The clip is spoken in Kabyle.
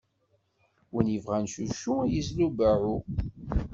Win ibɣan cuccu, izlu beɛɛu!